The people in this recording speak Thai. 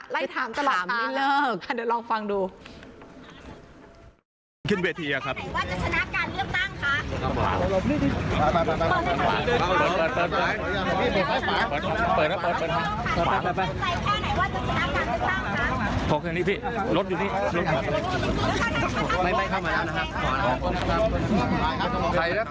ถามตลอดไม่เลิกเดี๋ยวลองฟังดู